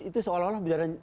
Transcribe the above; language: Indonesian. itu seolah olah berjalan